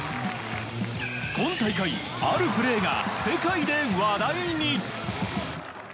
今大会、あるプレーが世界で話題に！